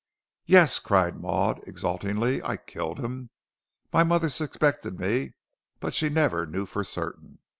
"Yes," cried Maud, exultingly, "I killed him. My mother suspected me, but she never knew for certain.